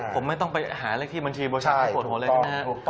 ผมไม่ต้องไปหาอะไรที่บัญชีบริชาภอดภัณฑ์เลยนะ